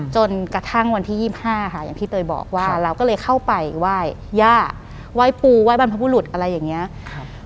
จนกระทั่งวันที่๒๕ค่ะอย่างที่เตยบอกว่าเราก็เลยเข้าไปไหว้ย่าไหว้ปูไหว้บรรพบุรุษอะไรอย่างนี้